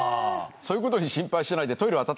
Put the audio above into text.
そういうことに心配しないで。